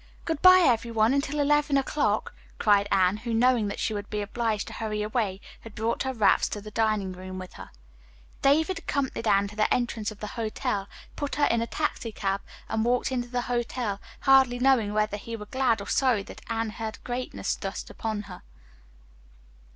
"Good bye, every one, until eleven o'clock," cried Anne, who, knowing that she would be obliged to hurry away, had brought her wraps to the dining room with her. David accompanied Anne to the entrance of the hotel, put her in a taxicab and walked into the hotel, hardly knowing whether he were glad or sorry that Anne had had greatness thrust upon her.